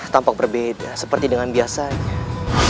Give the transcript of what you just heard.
tampak berbeda seperti dengan biasanya